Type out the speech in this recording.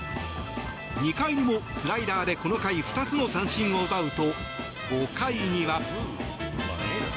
２回にもスライダーでこの回、２つの三振を奪うと５回には。